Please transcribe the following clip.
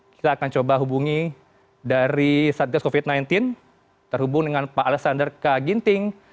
kita akan coba hubungi dari satgas covid sembilan belas terhubung dengan pak alexander k ginting